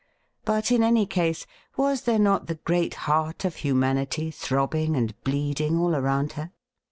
But, in any case, was there not the great heart of humanity throbbing and bleeding all around her?